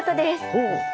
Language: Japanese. ほう！